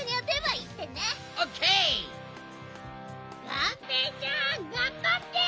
がんぺーちゃんがんばって！